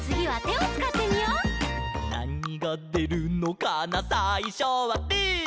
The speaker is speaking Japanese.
「なにがでるのかなさいしょはぶー」